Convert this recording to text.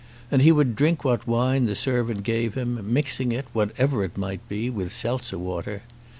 And he would drink what wine the servant gave him, mixing it, whatever it might be, with seltzer water.